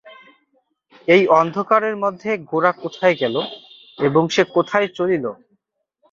এই অন্ধকারের মধ্যে গোরা কোথায় গেল এবং সে কোথায় চলিল।